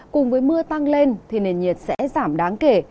cùng với mưa tăng lên thì nền nhiệt sẽ giảm đáng kể